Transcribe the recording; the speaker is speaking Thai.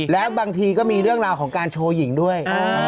แล้วบางทีก็มีเรื่องราวของการโชว์หญิงด้วย